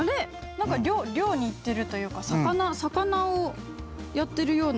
何か漁に行ってるというか魚魚をやってるような。